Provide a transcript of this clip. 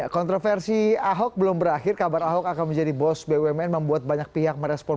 kontroversi ahok belum berakhir kabar ahok akan menjadi bos bumn membuat banyak pihak merespon